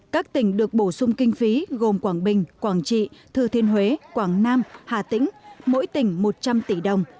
các tỉnh được bổ sung kinh phí gồm quảng bình quảng trị thừa thiên huế quảng nam hà tĩnh mỗi tỉnh một trăm linh tỷ đồng